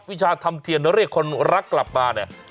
วิชาทำเทียนเรียกคนรักกลับมาเนี่ย